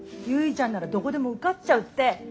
結ちゃんならどこでも受かっちゃうって。